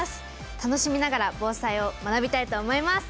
楽しみながら防災を学びたいと思います！